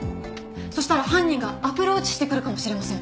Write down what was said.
そしたら犯人がアプローチしてくるかもしれません。